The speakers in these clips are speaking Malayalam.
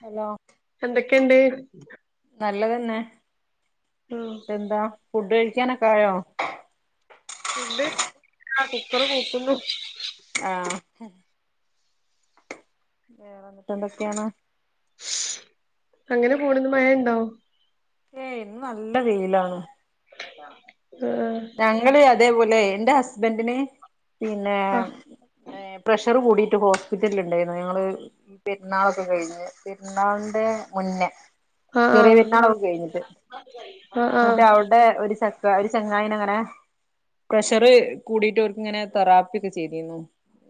ഹലോ എന്തൊക്കെയുണ്ട് നല്ലതന്നെ ആഹ് എന്നിട്ട് എന്താ ഫുഡ് കഴിക്കാനൊക്ക ആയോ ഫുഡ് ആഹ് കുക്കർ കൂക്കുന്നു ആഹ് വേറെ എന്നിട്ട് എന്തൊക്കെയാണ് [unintelligible] അങ്ങനെ പോണന്ന് മഴ ഉണ്ടോ ഏയ് ഇന്ന് നല്ല വെയിലാണ് ആഹ് ഞങ്ങള് അതേപോലെ എന്റെ ഹസ്ബൻ്റിന് പിന്നെ പ്രഷർ കൂടിട്ട് ഹോസ്പിറ്റലിൽ ഉണ്ടായിരുന്നു ഞങ്ങള് ഈ പെരുന്നാളൊക്കെ കഴിഞ്ഞ് പെരുന്നാളിന്റെ മുന്നേ ആഹ് ചെറിയ ആഹ് പേരിന്നാളും കഴിഞ്ഞിട്ട് ആഹ് എന്നട്ട് ആഹ് അവിടെ ഒരു സക്ക ഒരു ങ്ങനെ പ്രഷർ കൂടിട്ട് അവർക്ക് ഇങ്ങനെ തെറാപ്പി ഒക്കെ ചെയ്തിരുന്നു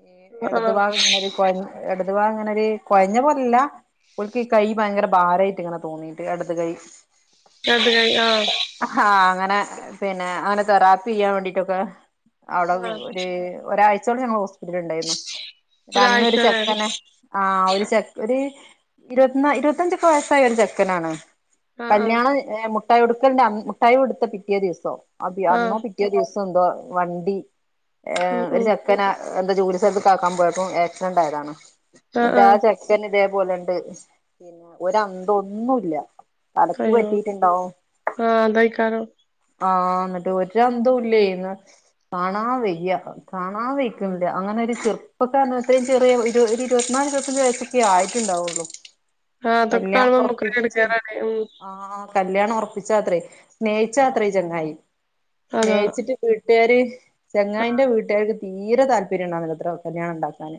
ഈ ആഹ് ഇടതു ആഹ് ഭാഗം ഇങ്ങനൊ ഒരു ഇടതു ഭാഗം ഇങ്ങനെ ഒരു കൊഴഞ്ഞ പോലല്ല ഓല്ക്ക് ഈ കൈ ഭയങ്കര ഭാരമായിട്ട്ങ്ങനെ തോന്നീയിട്ട് ഇടതു കൈ ഇടത് കൈ ആഹ് ആഹ് അങ്ങനെ പിന്നെ അങ്ങനെ തെറാപ്പി ചെയ്യാൻ വേണ്ടീട്ടൊക്കെ അവിടെ ആഹ് ഒര് ഒരാഴ്ചയോള ഞങ്ങ ഹോസ്പിറ്റല ഉണ്ടായിരുന്നു അന്ന ഒരു ഒരാഴ്ചലേ സെക്കന് ആഹ് ഒരു ഒരു ഇരുപത്തി ഇരുപത്തിഞ്ചൊക്കെ വയസ്സായ ഒരു ചെക്കനാണ് ആഹ് ആഹ് കല്യാണം മുട്ടായി കൊട്ക്കലണ്ട് മുട്ടായി കൊടുത്ത പിറ്റേ ദിവസം ആഹ് അന്നോ പി പിറ്റേ ദിവസം എന്തോ വണ്ടി ഉം ഒരു ഉം ചെക്കന എന്താ ജോലി സ്ഥലത്ത് ആക്കാൻ പോയിപ്പോ ആക്സിഡന്റ് ആയതാണ് ആഹ് ആഹ് [unintelligible] ഇതേപോലെണ്ട് പിന്നെ ഒരു അന്തം ഒന്നുംല്ല തലക്ക് അയ്യോ പറ്റിയിട്ടുണ്ടാവും ആഹ് അതായിക്കരം ആഹ് എന്നിട്ട് ഒരു അന്തവും ഇല്ലേ കാണാൻ വയ്യാ കാണാൻ വായിക്കുണ്ട് അങ്ങനെ ഒരു ചെറുപ്പക്കാരണം എത്രയും ചെറിയ ഇരുപത്തിനാല് വയസ ഒക്കെ ആയിട്ടുണ്ടാവുള്ളൂ ആഹ് അതൊക്കെ കല്യാണം കാണുമ്പോ നമുക്ക് ഒരു ഉറപ്പിക്കും ചെയ്ത് എടങ്ങേറ് ആണേ ആഹ് കല്യാണം ഉറപ്പിച്ചത്രേ സ്നേഹിച്ചാ അത്രേ ഈ ചങ്ങായി അതാ സ്നേഹിച്ചിട്ട് വീട്ടുകാര് ചെങ്ങായിൻന്റെ വീട്ടുകാർക്ക് തീരെ താല്പര്യം ഉണ്ടാവിലത്ര കല്യാണം ഉണ്ടാക്കാൻ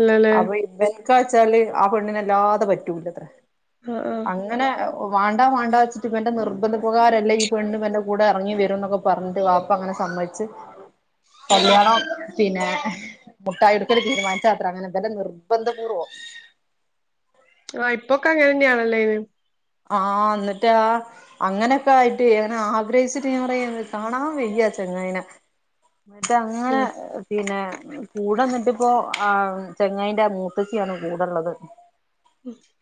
ഇല്ലലേ അപ്പൊ ഇവൻക്ക വച്ചാല് ആഹ് പെണ്ണിനല്ലാതെ പറ്റൂലത്ര ആഹ് ആഹ് അങ്ങനെ വാണ്ടാ വണ്ടാ വെച്ചിട്ട്പ്പന്റെ നിർബന്ധപകാരല്ലേ ഈ പെണ് എന്റെ കൂടെ ഇറങ്ങി വരും എന്നൊക്കെ പറഞ്ഞിട്ട് വാപ്പ ഉമ്മ അങ്ങനെ സമ്മതിച്ച് കല്യാണം പിന്നെ മുട്ടായി എടുക്കല് തീരുമാനിച്ച അത്ര അങ്ങനെ എന്തെ നിർബന്ധ പൂർവ്വം ആഹ് ഇപ്പൊക്കെ അങ്ങനെ തന്നെയാണല്ലേ ഇന്ന് ആഹ് എന്നിട്ട് ആഹ് അങ്ങനെക്കായ്റ്റെ അങ്ങനെ ആഗ്രഹിച്ചിട്ട് ഞാ പറയ കാണാ വയ്യ ആ ചെങ്ങായിനെ. മറ്റേ അങ്ങനെ. ഉം പിന്നെ കൂടെന്നിട്ടിപ്പോ ആ ചെങ്ങായിന്റെ മൂത്തച്ച്യാണ് കൂടെള്ളത്.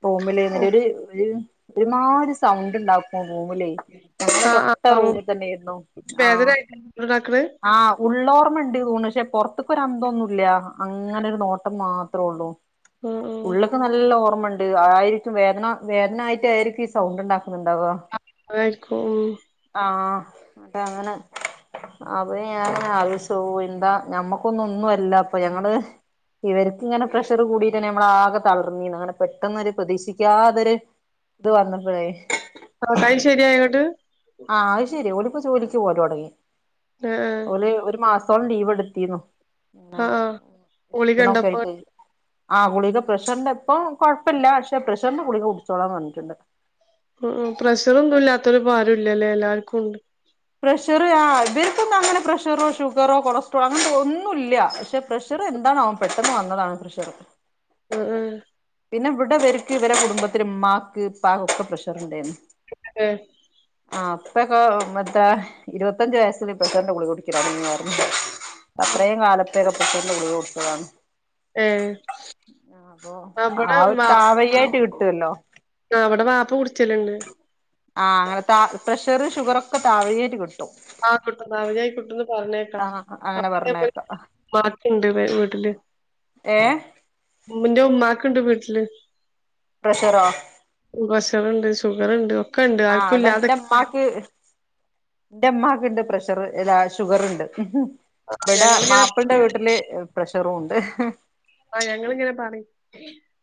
റൂമിലെ ഓഹ് ന്നട്ടര് ഒരു ഒരുമാരി സൗണ്ട്ണ്ടാക്കും റൂമിലേ. ഞങ്ങള തൊട്ട റൂമ് തന്നേര്ന്നു. വേദനായ്റ്റ് ങ്ങനെ താക്ക്ണേ. ഉള്ളോർമണ്ട് തോണ് പക്ഷെ പൊർത്ത്ക്കൊരന്തൊന്നുല്ല. അങ്ങനെരു നോട്ടം മാത്രള്ളൂ ആഹ് ആഹ് ഉള്ള്ക്ക് നല്ല ഓർമ്മ ണ്ട് അ ആയിരിക്കും വേദന വേദനായിട്ടായിരിക്കു ഈ സൗണ്ട്ണ്ടാക്കുന്നുണ്ടാവാ. അ അതായ്ര്ക്കും. ആഹ് ന്നട്ടങ്ങനെ. അപ്പ ഞാങ്ങനെ ആലോയ്ചോവും എന്താ ഞമ്മക്കൊന്നു ഒന്നു അല്ല പ്പ ഞങ്ങള്. ഇവര്ക്ക്ങ്ങനെ പ്രഷറ് കൂടീട്ടെന്നെ നമ്മളാക തളർന്നീന്ന് അങ്ങനെ. പെട്ടെന്നൊരു പ്രതീക്ഷിക്ക്യാതൊര് ത് വന്നപ്പഴേ. ത്രട്ടായ് ശര്യായൊങ്ങട്ട്. ആഹ് അയ് ശരി ഓല് പ്പൊ ജോലിക്ക് പോലൊട്ങ്ങി ആഹ് ആഹ് ഓല് ഒരു മാസ സോളം ലീവെടുത്തീന്നു ങ്ങനെ ആഹ് ആഹ് ഗുളികണ്ടപ്പോ ക്ഷീണൊക്കയ്റ്റ്. ആഹ് ഗുളിക പ്രഷർന്റെ ഇപ്പൊ കൊഴ്പ്പല്ല ക്ഷെ പ്രഷർന്റെ ഗുളിക കുടിച്ചോളാം പർഞ്ഞിട്ട്ണ്ട്. ഉം ഉം പ്രഷറൊന്നുല്ലാത്തൊല് പാരുല്ല ലേ എല്ലാവര്ക്കുണ്ട്. പ്രഷറ് ആ ഇവര്ക്കൊന്നു അങ്ങനെ പ്രഷറോ ഷുഗറോ കൊളസ്ട്രോളോ അങ്ങൻത്ത ഒന്നുല്ല. പക്ഷെ പ്രഷറ് എന്താണാവം പെട്ടെന്ന് വന്നതാണ് പ്രഷറ്. ഉം ഉം. പിന്നെ ഇവിടെ ഇവര്ക്ക് ഇവരെ കുടുംബത്തില് മ്മാക്ക് പ്പാക്കൊക്കെ പ്രഷറ് ണ്ടേര്ന്നു. എ. ആഹ് പ്പെക്കൊ മ ത്താ ഇരുപത്തഞ്ച് വയസ്സിലിപ്പ തന്നെ ഗുളിക കുടിക്ക്യല [unintelligible] പറഞ്ഞു അത്രേം കാല ത്തെക്ക പ്രെഷർന്റെ ഗുളിക കൊടുത്തതാണ്. ഏഹ് ആഹ് അപ്പോ ആ അവിടെ ഒരു താവയ്യായ്ട്ട് കിട്ട്വല്ലോ. ആഹ് വടെ വാപ്പ കുട്ച്ചല്ണ്ട്. ആഹ് അങ്ങന താ പ്രഷറ് ഷുഗറൊക്ക താവയ്യായ്റ്റ് കി ആഹ് കിട്ടും താവജ്ജായ് കിട്ടുന്ന് പറിണേക്ക ആ അങ്ങനെ മാക്കിങ്ങപ്പ പറഞ്ഞേക്കാം മാക്കിണ്ട് വീ വീട്ടില്. ഏഹ്. മ്മന്റെ ഉമ്മാക്ക്ണ്ട് വീട്ടില്. പ്രഷറോ. പ്രഷറ്ണ്ട് ഷുഗറ്ണ്ട് ഒ ആഹ് അവ്ടെ ന്റെമ്മാക്ക്. ന്റെമ്മാക്ക്ണ്ട് പ്രഷറ് എലാ ഷുഗറ്ണ്ട്. ആഹ് വെട ഞങ്ങളിങ്ങനെ മാപ്പൾന്റെ വീട്ടില് പ്രഷറൂണ്ട്. ആഹ് ഞങ്ങള്ങ്ങനെ പറിം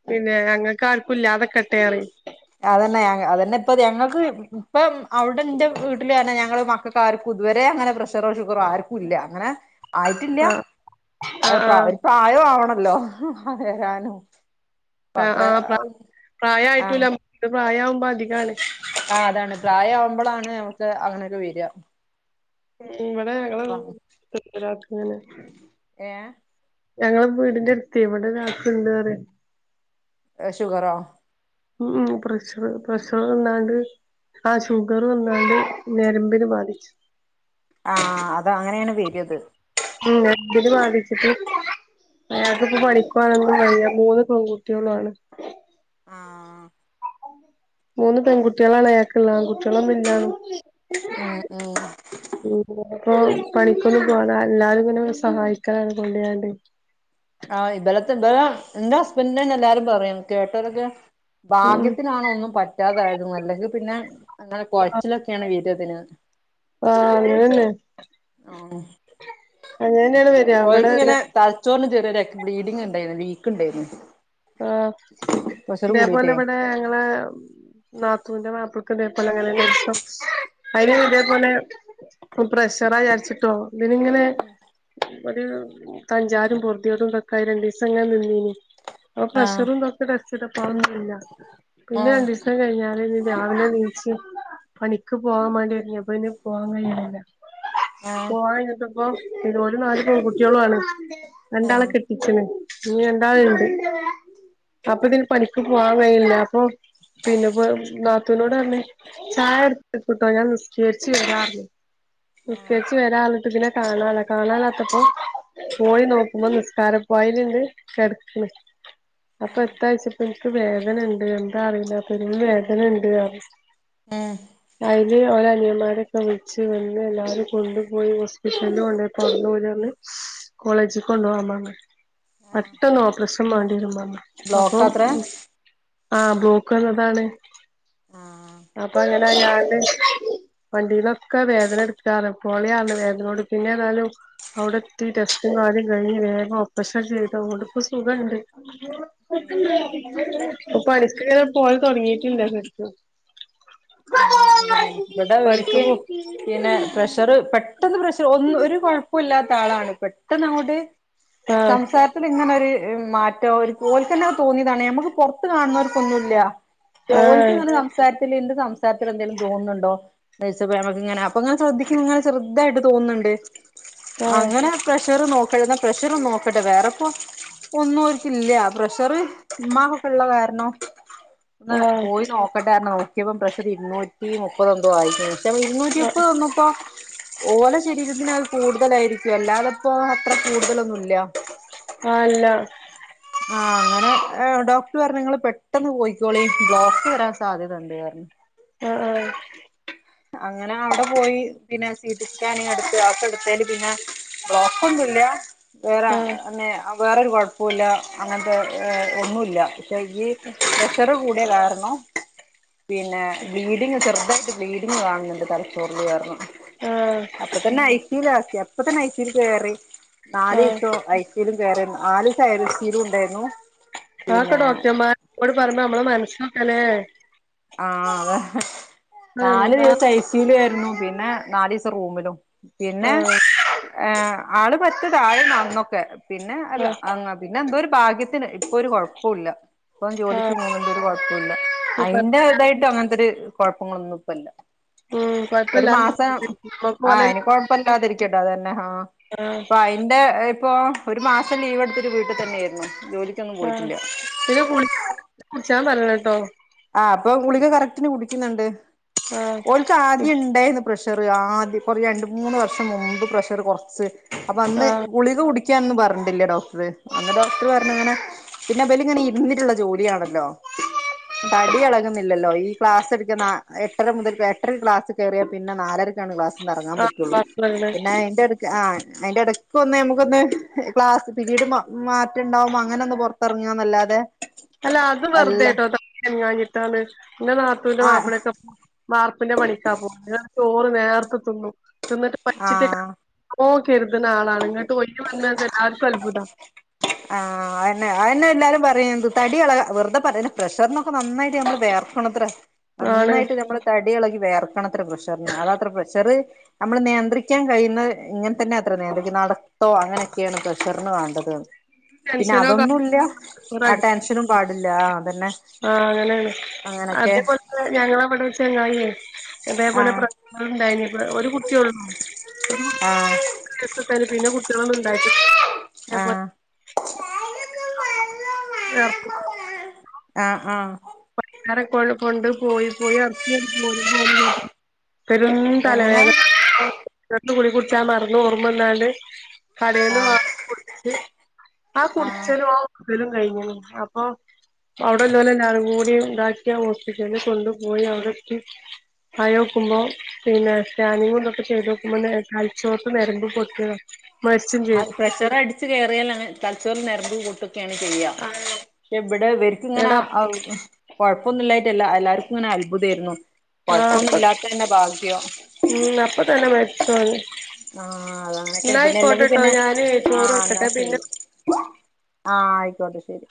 പിന്നെ ഞങ്ങക്കാര്ക്കു ഇല്ലാതക്കട്ടെ അറിം. അതന്നെ അതന്നെ പ്പത് ഞങ്ങക്ക് പ്പം അവുടെ ന്റെ വീട്ടില് തന്നെ ഞങ്ങള് മക്ക ക്കാര്ക്കു ഇതുവരെ അങ്ങനെ പ്രഷറോ ഷുഗറോ ആര്ക്കുല്ല അങ്ങനെ. ആയ്റ്റില്ല ആഹ് അഹ് ആഹ് പ്രാ ഒരു പ്രായോ ആവണല്ലോ വരാനും. അപ്പ ആഹ് അത്ര ആഹ് പ്ര ആഹ് പ്രായായിട്ടൂല്ലം ത് പ്രായാവുമ്പ അധികാണ്. ആഹ് അതാണ് പ്രായാവുമ്പളാണ് നമ്മക്ക് അങ്ങനൊക്കെ വെരാ. ഉം ഉം വടെ ഞങ്ങള് വട്ത്തരാക്ക് ങ്ങനെ. ഏഹ്. ഞങ്ങള് വീടിന്റെട്ത്തേ വടെരാൾക്ക്ണ്ട് പറയ. അ ഷുഗറോ. ഉം ഉം പ്രഷറ് പ്രഷറ്ണ്ടായണ്ട്. ആ ഷുഗറ് വന്നാണ്ട് നര്മ്പിന് ബാധിച്ച്. ആഹ് അത് അങ്ങനെയാണ് വരിത് ഉം എന്തില് ബാധിച്ചിട്ട് അയാക്ക് ഇപ്പോ പണിക്കുപോകാന്നൊന്നും വയ്യ മൂന്ന് പെൺകുട്ടികളാണ് ആഹ് മൂന്ന് പെൺകുട്ടികളാണെ അയാക്കുള്ളത് ആൺകുട്ടികളൊന്നും ഇല്ലാന്ന് ഉം ഉം ഇനീപ്പോ പണിക്കൊന്നും പോകാതെല്ലാതുംങ്ങനെ സഹായിക്കാണ് കൊണ്ടിരാണ്ട് ആഹ് ഇബലത്തെ ഇബലാ എന്റെ ഹസ്ബന്റെന്നെ അന്നെ എല്ലാരും പറയും കേട്ടോരൊക്കെ ഉം ഉം ഭാഗ്യത്തിനാണോ ഒന്നും പ- പറ്റാതായത് അല്ലെങ്കി പിന്നെ അങ്ങനെ കൊഴച്ചിലൊക്കെയാണ് വരാ ഇതിന് ആഹ അങ്ങനന്നെ അങ്ങനെ തന്നെയാണ് വ- ഓൾക്കിങ്ങനെ തലച്ചോറിന് ചെറിയൊരെക്കെ ബ്ലീഡിങ് ഒണ്ടായിരുന്ന് വീക്കൊണ്ടാരുന്ന് ആഹ ഇതേപോലെ ഇവടെ ഞങ്ങളേ നാത്തുന്റെ മാപ്പിൾക്ക് ഇതേപോലെ അങ്ങനന്നെ ദിവസോം അയിനും ഇതേപോലെ ഓഹ് പ്രഷറാ വിചാരിച്ചിട്ടോ ഇതിനിങ്ങനെ ഒരു തഞ്ചാരും പൊറുതികേടും വെക്കായി രണ്ടീവസം ഇങ്ങനെ നിന്നീനീ ആഹ് പ്രഷറും കൊറച്ച് ടെസ്റ്റിട്ടപോ അതൊന്നില്ലാ പിന്നെ ആഹ് രണ്ടിസം കഴിഞ്ഞാലല്ലേ രാവിലെ എണ്ണിച്ച് പണിക്ക് പോവാൻ മടിയി അപ്പ ഈ പോവാൻ കഴിയില്ലാ ആഹ് പോവാൻ എണീറ്റപ്പോ ഇതുപോലെ നാല് പെൺ കുട്ടികളും ആണ് രണ്ടാളെ ആഹ് കെട്ടിച്ചിണ് ഇനി ഉം രണ്ടാളിണ്ട് അപ്പൊ ഇതിന് പണിക്ക് പോവാൻ കഴിയില്ലാ അപ്പൊ പിന്നെപ്പോ നാത്തൂനോട് പറഞ്ഞ് ചായ എടുത്തേക്കിട്ടോ ഞാൻ നിസ്കരിച്ച് വരാവറഞ്ഞു ആഹ് ഇട്ടേച്ച് വെരാറഞ്ഞിട്ടിതിനെ കാണാലാ കാണാലാത്തപ്പോ പോയ് നോക്കുമ്പോ നിസ്കാര പായിലിണ്ട് കെടക്കണ് അപ്പൊ എത്താഴ്ച്ചപ്പോ എനിക്ക് വേദന ഇണ്ട് എന്താ അറിയില്ലാ അപ്പിന്നെയിന്ന് വേദന ഇണ്ട് ആഹ് അയില് ഓര അനിയമാരൊക്കെ വിളിച്ച് വന്ന് എല്ലാരും കൊണ്ടുപോയി ഹോസ്പിറ്റല് കൊണ്ടോ- പോരന്ന് അവരറഞ്ഞ് കോളേജീ കൊണ്ടോകാൻ പറഞ്ഞ് പെട്ടെന്ന് ഓപറേഷ- ഇപ്പം വേണ്ടിരും പറഞ്ഞ് അപ്പം ബ്ലോക്കാത്രേ ആഹ ബ്ലോക്കുള്ളതാണ് ആഹ് അപ്പൊ അങ്ങനാ ഞാന് വണ്ടീനൊക്കെ വേദന എടുക്കാറാ പോളിയാണ് വേദനോട് പിന്നെ എന്താലും അവിടെ എത്തി ടെസ്റ്റും കാര്യം കഴിഞ്ഞ് വേഗം ഓപ്പറേഷൻ ചെയ്തു അതൊണ്ടിപ്പോ സുഖണ്ട് ഇപ്പം ഏഹ് പണിക്ക് പോയി തൊടങ്ങിട്ടിണ്ട് ശെരിക്കും ആഹാ ഇവടെ പണിക്ക് ഇവർക്ക് പോ പിന്നെ പ്രഷറ് പെ- ട്ടെന്ന് പ്രശ്നം ഒന്നു ഒരു കുഴപ്പവില്ലാത്ത ആളാണ് പെട്ടെന്ന് അങ്ങോട്ട് ആഹ് സംസാ- രത്തിലിങ്ങനൊര് മാറ്റോ ഒരു ഓൽക്കന്നെ തോന്നീതാണെ നമ്മുക്കു പൊ- റത്ത് കാണുന്നോർക്കൊന്നൂല്യാ ഓൾക്ക് ആഹ് സംസാരത്തിലെന്ത് സംസാരം രത്തിലെന്തേലും തോന്നുന്നൊണ്ടോ എന്നോയിച്ചപ്പോ ഞാൻ പറഞ്ഞ് ഇങ്ങനെ അപ്പൊങ്ങനെ ശ്രദ്ധിക്കുന്നു ഇങ്ങനെ ചെറുതായിട്ട് തോന്ന്നിണ്ട് തോന്നുന്നുണ്ട് ആഹ് അങ്ങനെ പ്രഷർ നോക്കാരുന്നാ പ്രഷർ നോക്കട്ടെ വേറെപ്പോ ഒന്നു ഓർക്കില്ല്യാ പ്രഷറ് ഉമ്മാകൊക്കൊള്ള കാരണോ ഒന്ന് ആഹ് പോയ് നോക്കണ്ടാരുന്നോ നോക്കിയപ്പം പ്രഷ്- ഇരുന്നൂറ്റി മുപ്പതൊന്തോ ആയി ഇരുന്നൂറ്റി ആഹ് മുപ്പത് യിന്നപ്പോ ഓല ശരീരത്തിന് അത് കൂടുതലായിരിക്കും അല്ലാതിപ്പോ അത്ര കൂടുതലൊന്നൂല്ല ആഹ് അല്ലാ ആഹ് അങ്ങനെ ഡോക്ടർ പറഞ്ഞ് നിങ്ങള് പെട്ടെന്ന് പോയിക്കോളി ബ്ലോക്ക് വരാൻ സാധ്യതണ്ട് പറഞ്ഞ് ആഹ് ആഹ അങ്ങനെ അവടെ പോയ് പിന്നെ സീറ്റി സ്കാനിങ് എടുത്ത് ആക്കെടുത്തേല് പിന്നെ ബ്ലോക്കൊന്നില്ലാ വേറെ ആഹ് അന്നെ വേറെരു കൊഴപ്പോവില്ലാ അങ്ങനത്തെ ഒന്നൂല്ല്യാ പയ്യെ പ്രഷറ് കൂടിയ കാരണം പിന്നെ ബ്ലീഡിങ് ഒരു ചെറുതായിട്ട് ഇരുന്ന് കാണുനൊണ്ട് തലച്ചോറില് കാരണം ആഹ് അപ്പ തന്നെ ഐ സ്യൂലാക്കി അപ്പ തന്നെ ഐ സ്യൂല് കേറി ആഹ് നാലിസ്സോ ഐ- സീലും കേറാര്ന്നു ആലിസ അയ്സീലു ണ്ടാര്ന്നു അതൊക്കെ ഡോക്ടർമാരോട് പറിമ്പ ഞമ്മളെ മനസ്സൊക്കെ ലേ ആ അതെ നാലു എന്താ ദിവസം ഐ സ്യു ല് കെട്ന്നു പിന്നെ നാല് ദിസം റൂമിലും പിന്നെ ആഹ് ഏ ആള് പറ്റതായിര്ന്നു അന്നൊക്കെ പിന്നെ അല്ല ആഹ് അങ്ങ പിന്നെ എന്തോര് ഭാഗ്യത്തിന് ഇപ്പൊര് കൊഴപ്പുല്ല ഇപ്പം ജോലിക്ക് ആഹ് പോണ് ണ്ട് ഒരു കുഴപ്പൂല്ല [unintelligible] ചെർതായിട്ട് അങ്ങൻതൊര് കുഴപ്പങ്ങളൊന്നും ഇപ്പല്ല ഉം ഒരു കൊഴപ്പല്ല മാസം നമ്മക്ക് ആ പോലെ ഇനി കൊഴപ്പില്ലാതിരിക്കട്ടെ അതന്നെ ആ ആഹ് പ്പയ്ന്റെ ഇപ്പൊ ഒരു മാസം ലീവെട്ത്തിട്ട് വീട്ട് തന്നേര്ന്നു ജോലി ആ പിന്നെ ഗുളി കുട്ച്ചാൻ പറണം ട്ടോ ആ പ്പൊ ഗുളിക കറക്റ്റ്ന് കുടിക്ക്ന്ന്ണ്ട് ആഹ് ഓൽക്കാദ്യം ണ്ടയ്ന്ന് പ്രഷറ് ആദ്യം കൊറേ രണ്ട് മൂന്ന് വർഷം മുമ്പ് പ്രഷറ് കൊർച്ച് അപ്പ അന്ന് ആഹ് ഗളിക കുടിക്കാനൊന്നു പർഞ്ഞിട്ടില്ല ഡോക്ടർ അന്ന് ഡോക്ടർ പറഞ്ങ്ങനെ പിന്നെ വല് ങ്ങനെ ഇര്ന്നിട്ട്ള്ള ജോലിയാണല്ലോ തടി എളക്ന്നില്ലല്ലോ ഈ ക്ളാസ് ട്ക്ക എട്ടര മുതൽ എട്ടര ക്ളാസ് കേര്യ പിന്നെ നാലര ക്കാണ് ക്ളാസ്ന്നെറങ്ങാം പറ്റൊള്ളൂ ആഹ് പിന്നെ അയ്ന്റെട് ആ അയ്ന്റെ ടയ്ക്കൊന്ന് ഞമ്മക്കൊന്ന് ക്ളാസ് പിരീഡ് മ മാറ്റണ്ടാവുമ്പോ അങ്ങനെ ഒന്ന് പൊർ ത്തെർങ്ങ ന്നല്ലാതെ അല്ല അത് വെറുതെട്ടോ തട്യ ൻങ്ങാഞ്ഞിട്ടാണ് ന്റെ നാത്തൂന്റെ ആഹ് മാപ്പിളൊക്കെ വാർപ്പിന്റെ പണിക്കാ പോല് ന്ന്ട് ചോറ് നേർത്തെ തിന്നും തിന്നിട്ട് ആഹ് പൈച്ചിട്ടെയ്ക്കാരം നല്ലോം കരുത്ണാളാണ് ങ്ങട്ടു വയ്ന് വന്നത് എല്ലാർക്കും അൽഭുതം ആ അഅന്നേ അഅന്നെ എല്ലാരും പറിൺത് തടി എളക വെർതെ പറെനെ പ്രഷർനൊക്കെ നന്നായിട്ട് ഞമ്മള് വെയർക്കും ത്ര ആണ് നന്നായിട്ട് നമ്മള് തടി എളകി വെയർക്കണത്ര പ്രഷർന് അതാത്രെ പ്രഷറ് നമ്മള് നെയന്ത്രിക്കാൻ കഴിയ്ണെ ഇങ്ങൻതെന്നെത്ര നിയന്ത്രിക്ക നട് ത്തോ അങ്ങനെക്കേണ് പ്രഷർന് വാണ്ടത് ന്ന് പിന്നെ ടെൻഷനോ അതൊന്നുല്ല്യ കാര്യങ്ങളോ ആ ടെൻഷനും പാടില്ലാ അതന്നെ ആ അങ്ങനേണ് അങ്ങനൊക്കെ അതേപോൽ തെന്നെ ഞങ്ങള വടെ ഒര് ചെങ്ങായിയ് തേപോലെ ആഹ് പ്രശ്റ്ണ്ടായ്നു ഒരു കുട്ടിള്ളൂ [unintelligible] ആഹ് [unintelligible] പിന്നെ കു ട്ട്യാളൊന്നുണ്ടായിട്ട ആഹ് [unintelligible] ആഹ് ആഹ് പൈക്കാര കൊ കൊണ്ട് പോയി പോയി ർക്ക്യണ്ട് പോരുമ്പോ പെരും എങ്ങനെ തലവേദന പ്രസർന്റെ ഗുളികുട്ച്ചാ മർന്ന് ഓർമ്മന്നാണ്ട് കടേന്ന് വ ആഹ് കുട്ച്ച് ആ ആഹ് കുട്ചെലു കലും കഴിഞ്ണ് അപ്പൊ അവിടെല്ലോലെല്ലാരും കൂട് ണ്ടാക്യ ഹോസ്പിറ്റല് കൊണ്ട്പോയി അവിടെത്തി യോക്കുമ്പോ പിന്നെ സ്കാനിങ്ങു തൊക്കെ ചെയ്തോക്കുമ്പോ തലചോർതെ നരമ്പ് പൊട്ടിത അത് ഫ്രഷർ അട്ച്ച് കേറിയാലാണ് തലചോർന്റെ നെര്മ്പ് പൊട്ടും കേമിൽ ചെയ്യ ച്ചെ ബ്ടെ വര്ക്ക്ങ്ങനെ എടാ അവ് ഉം കൊഴ്പ്പൊന്നുല്ലായ്റ്റല്ല എല്ലാര്ക്കും ങ്ങനെ അൽബുതേര്ന്നു. ആ അപ്പ കൊഴ്പ്പൊന്നുംല്ലാത്തെന്നെ ഭാഗ്യം. ഉം അപ്പ തന്നെ മരിച്ചു ഓന് ആ അതങ്ങനെക്കെ ന്നാ പിന്നെ ല്ലെങ്കി ആയിക്കോട്ടെട്ടോ പിന്നെ ഞാന് ആ ചോറ് ന്നാ കൊടുക്കട്ടെ പിന്നെ ശരി. ആ അയ്കോട്ടെ ശരി.